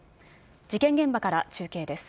事件現場から中継です。